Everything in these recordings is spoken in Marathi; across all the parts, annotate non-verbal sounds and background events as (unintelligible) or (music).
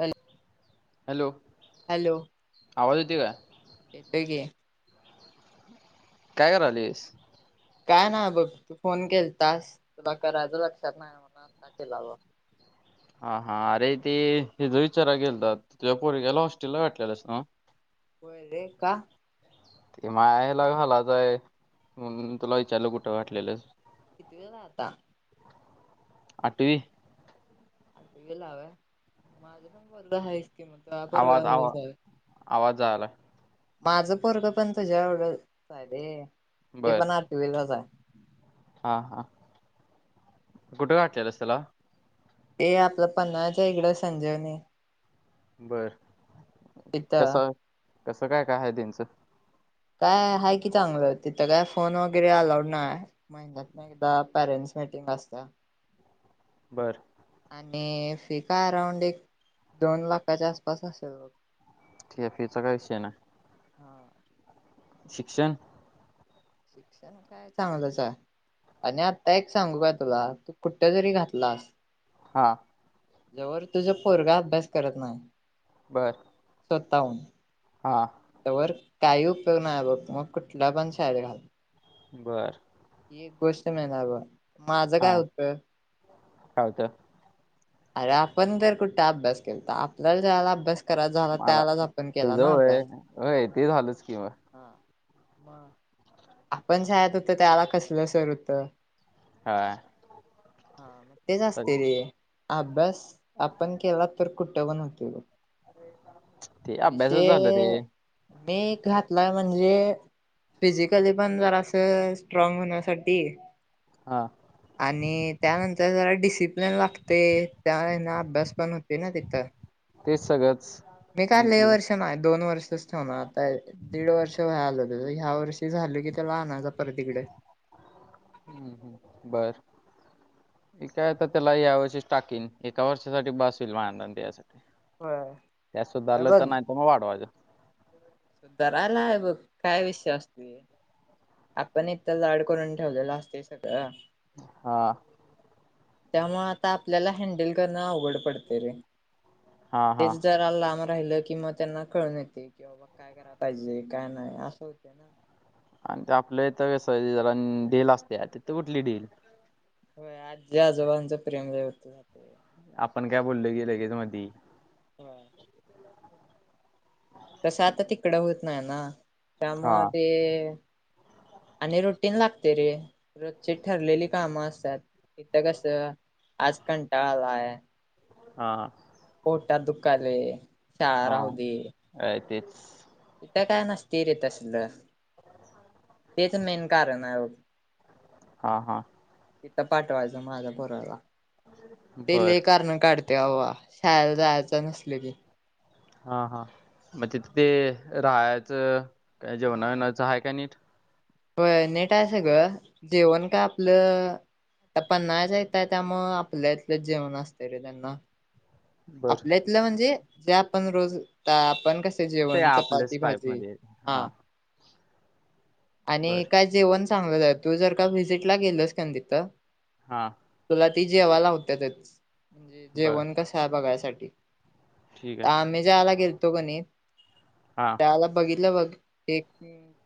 हॅलो हॅलो हॅलो आवाज येतोय का. ठीक आहे. काय करालीयस. काय नाही बघ. तू फोन केल तास तुला करायच लक्षात नाही म्हण आता केला ब. हा हा अरे ते ह ज विचारा गेलतात. तुझ्या पोरग्याला हॉस्टेलला घातलेलस ना. होय रे. का? ते मायाला घालाचय. म्हणून तुला विचारल कुठ घातलेलस. कितवीला आहे आता. आठवी आठवीला आहे व्हय. माझ पण पोरग आहेच की मग. तुझ्या आवाज आवा पोरग्याबरोबरच आवाज जायलाय. माझ पोरग पण तुझ्या एवढच आहे रे. ते बर पण आठविलाच आहे. हा हा कुठे घातलेलस त्याला. ये आपल पन्हाळाच्या इकड संजीवनी. बर कस तिथं कस काय काय आहे त्यांच. काय आहे की चांगल. तिथ काय फोन वगैरे अलाउड नाही. महिन्यात एकदा पेरेंट्स मिटींग असतात. बर आणि फी का अराऊंड एक दोन लाखाच्या आसपास असेल बघ. त्या फिचा काय विषय नाही. हा शिक्षण शिक्षण काय चांगलच आहे. आणि आत्ता एक सांगू का तुला. तू कुठ जरी घातलास हा. जोवर तुझ पोरगा अभ्यास करत नाही. बर. स्वतःहून. हा. तोवर काही उपयोग नाही बघ मग कुठला पण शाळेत घाल. बरं. एक गोष्ट मेन आहे बाबा माझं हा काय होत. काय होत? अरे आपण जर कुठं अभ्यास केलता आपल्याला जयला अभ्यास त्रास झाला मला त्यावेलाच आपण तुझं केलाना होय अभ्यास. होय ते झालंच कि मग. हा मग आपण शाळेत होत त्याला कसल सर होत? हा हा मग तेच तर असते रे अभ्यास आपण केला तर कुट पण होतो. ते अभ्यासच झाला रे मी घातलाय म्हणजे फिजिकली पण जरा असं स्ट्रॉंग होण्यासाठी. हा. आणि त्यानंतर जरा डिसिप्लिन लागते त्यावेळेला अभ्यास पण होते ना तिथं. तेच सगळंच मी काय हम्म, लय तू वर्ष नाही दोन वर्षच ठेवणार आता दीड वर्ष वय आलं ह्या वर्षी झाल कि त्याला आनायच पर इकडे. ह बर. काय तर त्याला या वर्षी टाकीन एका वर्षासाठी बस होईल भांड ते अस. होय त्यास हे सुधारलं तर नाही तर मग वाढवायज. सुधारला हे बघ काय विषय असतो? आपण इथ लाड करून ठेवलेलं असते सगळं हा. त्यामुळे आता आपल्याला हँंडल करण आवघड पडतय रे हा हा तेच जरा लांब राहिल कि मग त्यांना कळून येते कि काय कराय पाहिजे, काय नाही असं होत ना. आणि ते आपल्या इथ जरा ढिल असते तिथ कुठली ढील. आजी, आजोबांच प्रेम गळत ते. आपण काय बोल की लगेच ती हम्म. तसं आता तिकडं होत नाही ना हा त्यामुळे ते आणि रुटीन लागते रे रोची ठरलेली काम असतात. इथं कस आज कंटाळला आहे. हा, हा. पोटात दुखाले हा हाय तेच. तथ काय नसतीरे तसलं. ते त मेन कारण आहे मग. हा हा तिथ पाठवायचं माझा पोराला ते बर लय कारण काढते. तेव्हा शाळाला जायचं नसली की. हा, हा म तिथ ते राहायचं का जेवणा, हा. विणायचं आहे का नीट? होय नेटय सगळं जेवण का आपलं त्या पन्हाळा येत असल्या मुळ आपल्या इथलंच जेवण असत रे त्यांना. बर आपल्या इतलं म्हणजे जे आपण रोज आपण कस ते जेवण आपल्याच चपाती टाईप भाजी मध्ये आहे. हा आणि बरं. काय जेवण चांगलं आहे तू जर का व्हिजिटला गेलोस कान तिथ हा. तुला ती जेवालावत्यातच बरं. जेवण कसं आहे बघायसाठी. ठीक आहे. आम्ही जेवायला गेलतो कणी हा. त्याला बघितलं बघ एक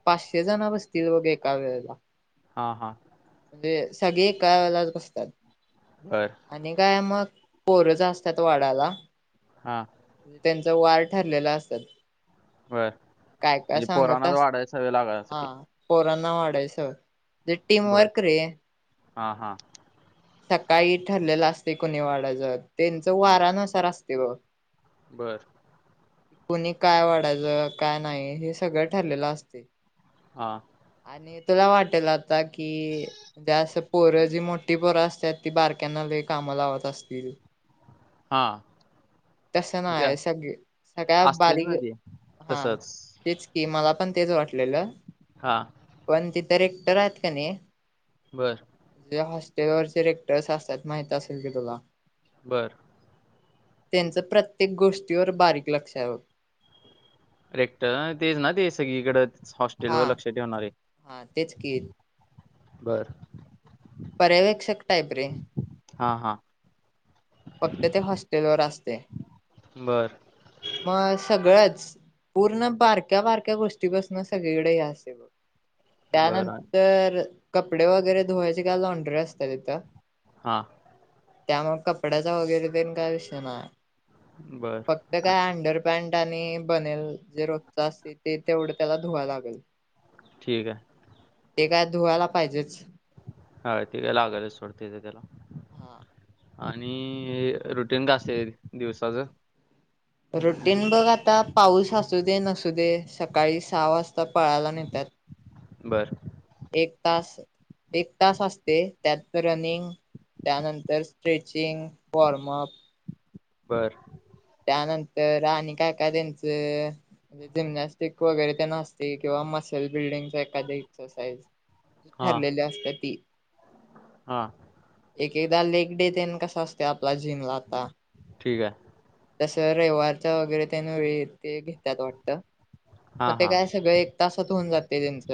पाचशे जण बसतील बघ एका वेळेला. हा हा. म्हणजे सगळे एकालाच असतात. बर. आणि काय मग पोरच असतात वाडायला. हा. त्यांचा वार ठरलेला असतात. बरं. काय काय म्हणजे सांगत पोरांनाच अस वाढायची सवय हा. लागायसाठी. पोरांना वाढायचं ते टीम वर्क रे. हा हा. सकाळी ठरलेलं असते कुणी वाढायचं त्यांचं हां. वारानुसार असते बघ. बरं. कुणी काय वाढायचं काय नाही हे सगळं ठरलेलं असते. हा. आणि तुला वाटेल आता कि म्हणजे अस पोरं जी मोठी पोरं असत्यात ती बारक्यांना लई काम लावत असतील हा. तस नाय सगळे सगळ्या असतेच ना बारीक ते. हा. तसंच. तेच की मला पण तेच वाटलेलं. हा. पण तिथ रेक्टर आहेत का नाही बरं. जे हॉस्टेलवरचे रेक्टर्स असतात माहित असेल की तुला बरं. त्यांचं प्रत्येक गोष्टीवर बारीक लक्ष आहे बघ. रेक्टर तेच ना ते सगळीकड हॉस्टेल हा वर लक्ष ठेवणारे. हा तेच की बरं. पर्यवेक्षक टाईप रे. हा हा. फक्त ते हॉस्टेलवर असते. बरं. म सगळंच पूर्ण बारक्या बारक्या गोष्टीपासून सगळीकडे हे अस ये बघ. बरं. त्यानंतर कपडे वगैरे धुवायचे का लॉन्डरे असतात तिथं. हां. त्या मग कपड्याचा वगैरे पण काय विषय नाही. बरं. फक्त काय अंडर पॅन्ट आणि बनेल जे रोजच असते तेवढं त्याला धुवा लागेल. ठीक आहे. ते काय धुवायला पाहिजेच. हा ति काय लागलच सोड तेथे त्याला. हा. आणि हे रुटीन काय असेल दिवसाचं. रुटीन बघ आता पाऊस असू दे नसू दे सकाळी सहा वाजता पळायला नेतात. बर एक तास, एक तास असते त्यात रनिंग त्यानंतर स्ट्रेचिंग, वॉर्मअप बर त्यानंतर आणि काय काय त्यांच म्हणजे जिम्नॅस्टिक वगैरे ते नसते किंवा मसेल बिल्डिंग ए एरइ हां. ठरलेली असत ती हा एक एकदा लेग डे देन कसा असते आपला जिमला आता ठीक आहे तसं रविवारच्या वगैरे त्यां न वळी ते घेतात वाटत. हा मग ते हा काय सगळं एक तासात होऊन जाते त्यांच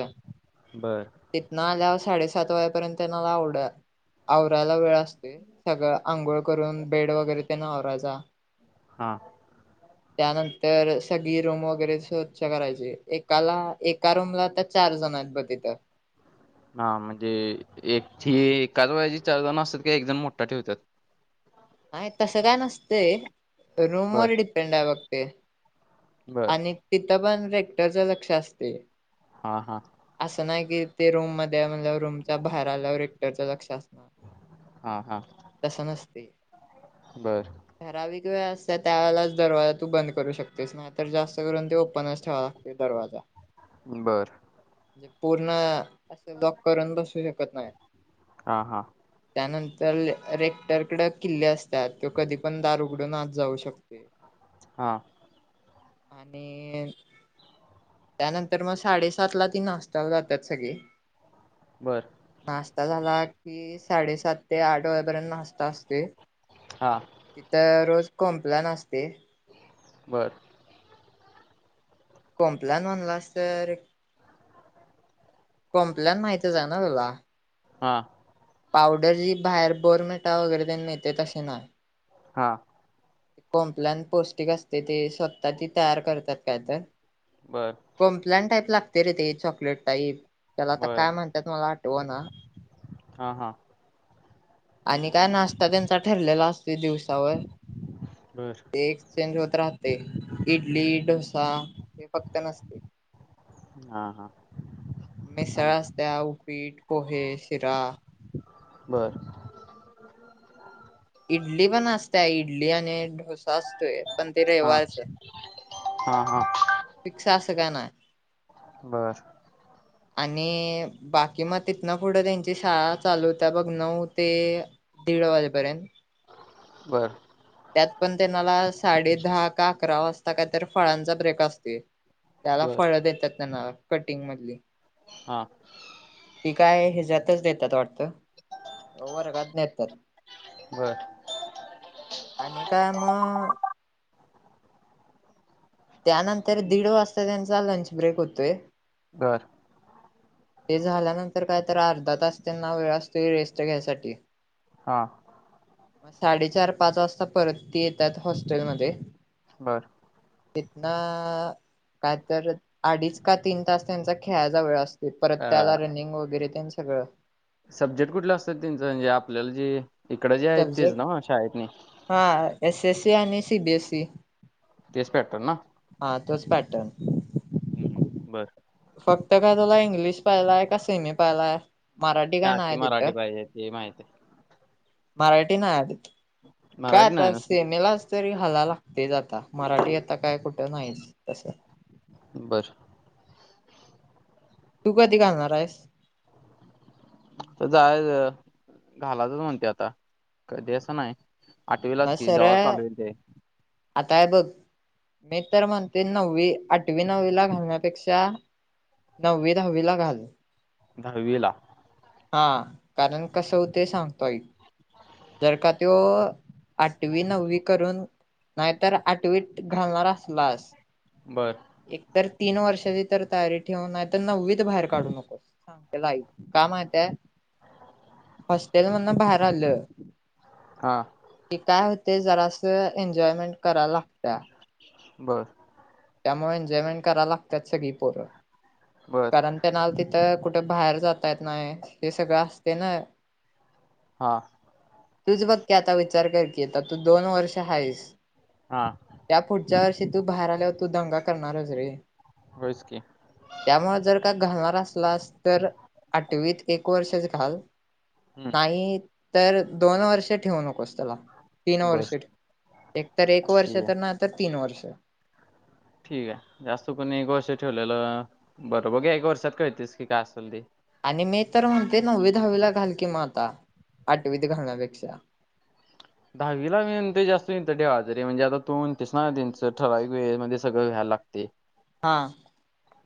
बरं तिथनं आल्यावर साडेसात वाजेपर्यंत त्यांनाला आवड आवराला वेळ असते. सगळं आंघोळ करून बेड वगैरे त्यांना आवरायाच. हां त्यानंतर सगळी रूम वगैरे स स्वच्छ करायची. एकाला एका रूम ला आता चार जण आहेत ब इथं. हा म्हणजे एकी हा एकाच वेची चार जण असतात कि एक जण मोठा ठेवतात. नाही तसं काय नसतय रूम बर वर डिपेंड आहे मग ते. बर आणि तिथं पण रेक्टरच लक्ष असते. हा हा असं नाही कि ते रूम मध्ये म्हनल्यावर रूमच्या बाहेर आल्यावर रक्टरचं लक्ष असत हा हा तस नसते. बर ठराविक वेळ असत त्यावेेळेलाच दरवाजा तू बंद करू शकतेस. तर जास्त करून ते ओपनच ठेवा लागते दरवाजा. बरं म्हणजे पूर्ण असं लॉक करून बसू शकत नाही. हा हा त्यानंतर रेक्टरकड किल्ले असतात तो कधी पण दार उघडून आत जाऊ शकतो. हा आणि त्यानंतर मग साडेसात ला ती नाशता जातात सगळे. बरं नाश्ता झाला कि, साडेसात ते आठ वेयापर्यंत नाश्ता असते. हां तिथं रोज कॉम्पलान असते. बर कॉम्पलान म्हणलास तर, कॉम्पलान माहितीच आहे ना तुला, हा पावडर जी बाहेर बोर्नव्हिटा वगैरे मिळते तसे नाही. हा कॉम्पलान पौष्टिक असते ते स्वतः ती तयार करतात काय तर. बरं कॉम्पलान टाईप लागते रे ते चॉकलेट टाईप त्याला आता बर काय म्हणतात मला आठव ना. हा हा आणि काय नाश्ता त्यांचा ठरलेला असते दिवसावर बर एक चेंज होत राहते इडली डोसा हे फक्त नसते. हा हा मिसळ आणि असत्या उपीट पोहे शिरा बरं (unintelligible) इडली पण असतेय इडली आणि डोसा असतोय पण ते हम रविवारच. हम हम (unintelligible) फिक्स अस का ना बर (unintelligible) आणि बाकी मग तिथ ना पुढं त्यांची शाळा चालू होत्या बघ नऊ ते. दीड वाजेपर्यंत बरं (unintelligible) त्यात पण त्यां मला साडे दहा का अकरा वाजता कायतरी फळांचा ब्रेक असते (unintelligible) त्याला बर फळं देतात त्यांना कटिंग मधली हा पी काय हिच्यातच देतात वाटतं वर्गात नेतात बर आणि काय मग (unintelligible) त्यानंतर दीड वाजता त्यांचा लंच ब्रेक होतोय (unintelligible) घर (unintelligible) ते झाल्यानंतर काय तर अर्धा तास त्यांना वेळ असतो रेस्ट घ्यायसाठी हा (unintelligible) मग साडेचार पाच वाजता परत त येतात हॉस्टेलमध्ये बरं कितना (unintelligible) काय तर अडीच का तीन तास त्यांचा खेळायचा वेळ असतो ते परत अ त्याला रनिंग वगैरे ते सगळं सब्जेक्ट कुठले असतात त्यांच म्हणजे आपल्याला जे इकडं जे आहेत तेच सब्जेक्ट ना शाळेत नाही हा एसएस सी आणि सी बीएसई तेच पेटतात ना हा तोच पॅटर्न (unintelligible) हम्म बरं फक्त काय तुला इंग्लिश पाहिलाय का सीमी पाहिलाय मराठी का काय ती नाय तिथं मराठी पाहिजे त माहित आहे (unintelligible) मराठी ना आध आहे काय मराठी नाही आता ना सेमेलाच तरी हला लागतेच आता मराठी आता काय कुठं नाहीच तसं बर (unintelligible) तू कधी घालणार आहेस तर जाय घालातच म्हणते आता कधी असं नाही आठवीलाच की बसर जेव्हा चालू होईल ते आताय बघ मी तर म्हणते नववी आठवी नववी ला घालण्यापेक्षा नववी दहावीला घाल दहावीला हा कारण कस होते सांगतोय आइक जर का त्यो आठवी, नववी करून नाहीतर आठवीत घालणार असलास- बरं... (unintelligible) (unintelligible) एकतर तीन वर्षाची तर तयारी ठेवून आहे तर नववीच बाहेर काढू नकोस सांगई का माहितय हॉस्टेल म्हणून बाहेर आलं हा कि काय होते जरासं एन्जॉयमेंट करावला लागत बर त्यामुळे जेवण कराव लागतच की पोर बर कारण त्यानाला तिथं, कुठं बाहेर जात येतनाही हे सगळं असतेना. हा, तूझ बघकी आता विचार कर की, आता तू दोन वर्ष हायेस. हा, त्या पुढच्यावर्षी, तू बाहेर आल्यावर तू दंगा करणारच रे. होयच की. त्यामुळे जर का घालणार असलास, तर आठवीत एक वर्ष जरी घाल, हम्म नाही तर दोन वर्ष ठेवु नकोस. त्याला, बर तीनवर्ष ठेव, एकतर एक वर्ष ठीक आहे तर नाही तर तीन वर्ष. ठीक आहे, जास्त कोणीएक वर्ष ठेवलेलं अ बर बघुया, एक वर्षात कळतेसकी काय असल ते आणि मी तर म्हणतोय. नव्वी, दहावीला घालकी मग आता, आठवीत घालण्यापेक्षा. दहावीला मी म्हणतोय, जास्त हित ठेवयच रे म्हणजे आता तू म्हणत्यासना ना, त्याचठराव वेळे मध्ये सगळं घ्यायला लागतं. ते, हां,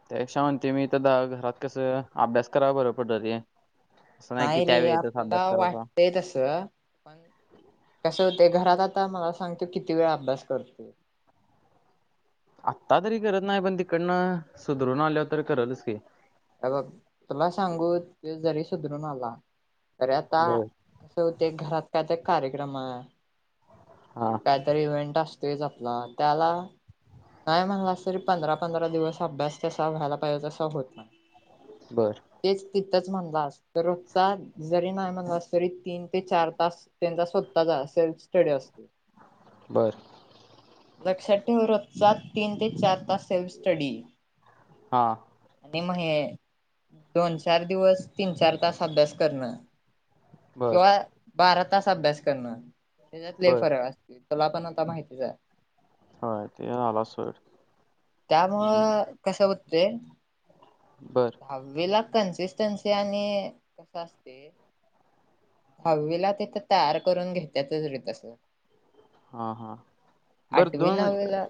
त्या पेक्षा म्हणतोय मी, घरात कस अभ्यास कराय बर पडलं रे. असं की नाही त्या रे, वेळेतच अभ्यास आपल्याला करायचा. वाटतय तस, पण कस होतंय, घरात आता मला सांग तो किती वेळा अभ्यास करतोय. आत्ता तरी करत नाही, पण तिकडनं सुधरून आल्यावर तरी करलचकी. हेबघ तुला सांगू, तो जरी सुधरून आला तरी आता बर कसं होतंय, घरात काय तर कार्यक्रम आहे. हा, काहीतरी इव्हेंट असतेच आपला, त्याला नाही म्हणालास तरी पंधरा, पंधरा दिवस अभ्यास तसा व्हायला पाहिजे तसं होत नाही. बरं, तेच तिथंच म्हणलास, तर रोजचा जरी नाही म्हणलास तरी तीन तीन, ते चार, तास त्यांचा स्वतःचा सेल्फ स्टडी असतो. बर, लक्षात ठेव, रोजचा तीन, ते चार, तास सेल्फ स्टडी हा आणि महे दोन, चारदिवस, तीनचार तास अभ्यास करण. बर किंवा, बारा तास अभ्यास करण, त्याच्यात लई बर फरक असतो, तुलापण आता माहितीच आहे. होय ते झालंच सोड. हम्म, त्यामुळं कसं होतय. बरं, दहावीला कन्सिस्टन्सी आणि कस असतय, दहावीला तिथं, तयार करून घेतचच रे तस. हा हा बरं आठवी, दोन मिनिट नववी ला